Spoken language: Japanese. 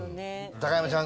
高山ちゃん